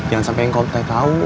jangan sampe engkau teh tau